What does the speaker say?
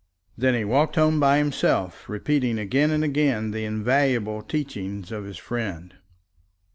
Then he walked home by himself, repeating again and again the invaluable teachings of his friend.